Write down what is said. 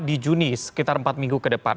di juni sekitar empat minggu ke depan